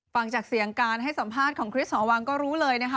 ฟังจากเสียงการให้สัมภาษณ์ของคริสหอวังก็รู้เลยนะคะ